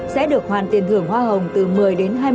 sẽ được hoàn tiền thưởng hoa hồng từ một mươi đến hai mươi